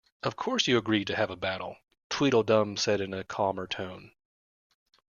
‘Of course you agree to have a battle?’ Tweedledum said in a calmer tone.